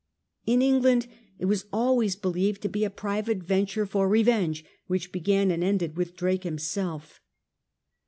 In England it was always believed to be a private venture for revenge, which began and ended with Drake himself.